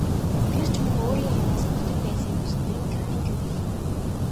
Тэр ч мөн өөрийн аяганаас хүртдэг байсан юм гэж ноён Каннингем хэлэв.